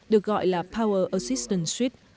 được gọi là power assistance suit